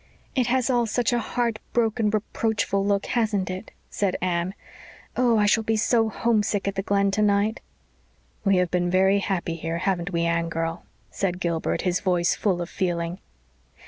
"It has all such a heart broken, reproachful look, hasn't it?" said Anne. "Oh, I shall be so homesick at the Glen tonight!" "We have been very happy here, haven't we, Anne girl?" said Gilbert, his voice full of feeling.